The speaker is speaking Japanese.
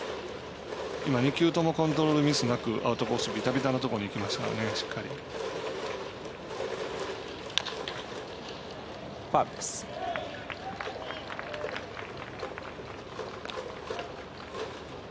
今、２球ともコントロールミスなくアウトコースビタビタのところにしっかりいきました。